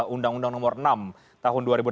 undang undang nomor enam tahun